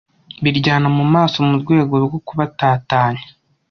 biryana mu maso mu rwego rwo kubatatanya